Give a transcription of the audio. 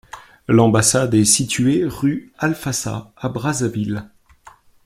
L'ambassade est située rue Alfassa à Brazzaville.